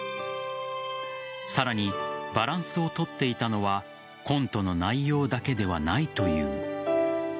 さらにバランスを取っていたのはコントの内容だけではないという。